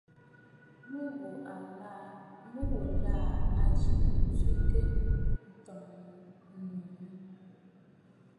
Mû ghù là à zî ǹtwɛ̀bə̂ ǹtɔ̀ŋ ŋù mə̀.